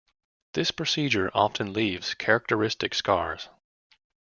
This procedure often leaves characteristic scars.